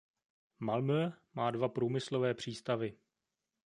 Malmö má dva průmyslové přístavy.